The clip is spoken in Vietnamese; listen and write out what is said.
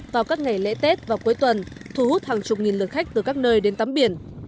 vào các ngày lễ tết và cuối tuần thu hút hàng chục nghìn lượt khách từ các nơi đến tắm biển